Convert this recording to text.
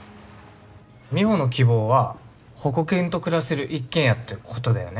美帆の希望は保護犬と暮らせる一軒家ってことだよね。